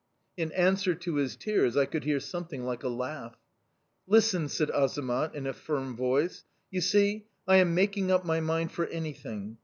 "In answer to his tears, I could hear something like a laugh. "'Listen,' said Azamat in a firm voice. 'You see, I am making up my mind for anything.